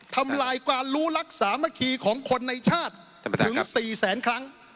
ทำลายการรู้รักษาเมื่อกี้ของคนในชาติถึงสี่แสนครั้ง